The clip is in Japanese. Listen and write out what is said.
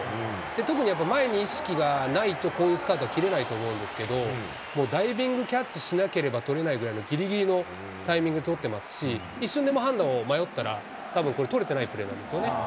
特に前に意識がないと、こういうスタートは切れないと思うんですけど、もうダイビングキャッチしなければとれないぐらいのぎりぎりのタイミング取ってますし、一瞬でも判断を迷ったら、たぶんこれ、捕れてないプレーなんですよね。